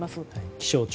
気象庁